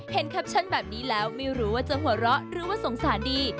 แคปชั่นแบบนี้แล้วไม่รู้ว่าจะหัวเราะหรือว่าสงสารดี